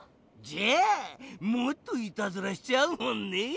じゃあもっといたずらしちゃうもんねぇ！